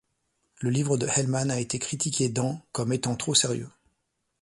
Le livret de Hellman a été critiqué dans comme étant trop sérieux.